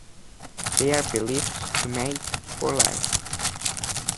They are believed to mate for life.